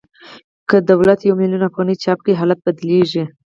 که دولت یو میلیون افغانۍ چاپ کړي حالت بدلېږي